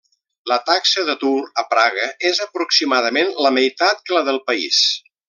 La taxa d'atur a Praga és aproximadament la meitat que la del país.